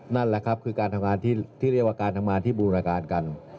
นั่นแหละครับคือการทำงานที่เรียกว่าการทำงานที่บูรณาการกัน